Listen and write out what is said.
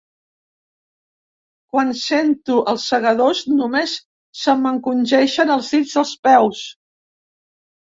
Quan sento els Segadors només se m'encongeixen els dits dels peus.